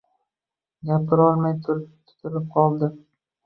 Gapirolmay tutilib qoldi